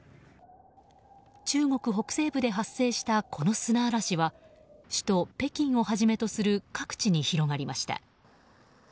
中国北西部で発生したこの砂嵐は首都・北京をはじめとする各地に広がりました。